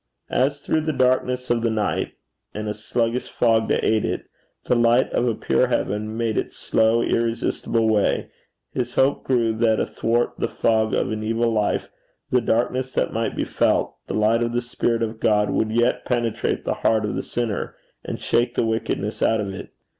As through the darkness of the night and a sluggish fog to aid it, the light of a pure heaven made its slow irresistible way, his hope grew that athwart the fog of an evil life, the darkness that might be felt, the light of the Spirit of God would yet penetrate the heart of the sinner, and shake the wickedness out of it.